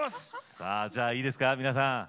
さあじゃあいいですか皆さん。